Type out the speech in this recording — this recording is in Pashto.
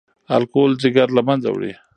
الکول ځیګر له منځه وړي.